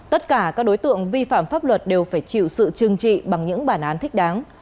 tất cả các đối tượng vi phạm pháp luật đều phải chịu sự trừng trị bằng những bản án thích đáng